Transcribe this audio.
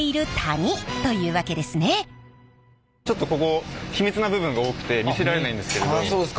ちょっとここ秘密な部分が多くて見せられないんですけど。